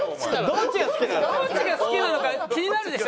どっちが好きなのか気になるでしょ？